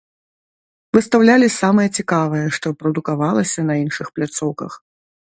Выстаўлялі самае цікавае, што прадукавалася на іншых пляцоўках.